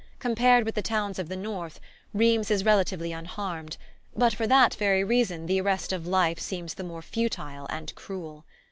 Compared with the towns of the north, Rheims is relatively unharmed; but for that very reason the arrest of life seems the more futile and cruel.